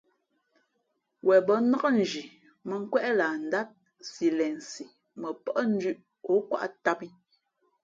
Wen bα̌ nnák nzhi mᾱnkwéʼ lah ndát si lensi mα pά ndʉ̄ʼ ǒ kwāʼ tām ī.